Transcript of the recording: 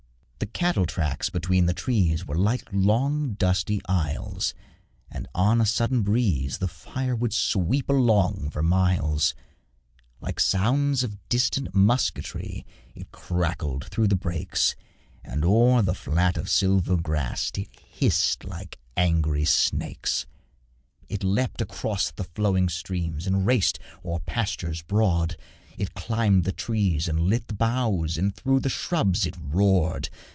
The cattle tracks between the trees Were like long dusky aisles, And on a sudden breeze the fire Would sweep along for miles; Like sounds of distant musketry It crackled through the brakes, And o'er the flat of silver grass It hissed like angry snakes. It leapt across the flowing streams And raced o'er pastures broad; It climbed the trees and lit the boughs And through the scrubs it roared.